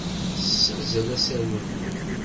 Tessazzel asaru-nni.